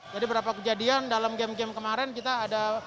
jadi berapa kejadian dalam game game kemarin kita ada kejadian